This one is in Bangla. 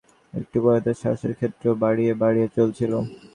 শ্যামাসুন্দরী কয়দিন থেকে একটু একটু করে তার সাহসের ক্ষেত্র বাড়িয়ে বাড়িয়ে চলছিল।